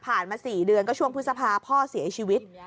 มา๔เดือนก็ช่วงพฤษภาพ่อเสียชีวิต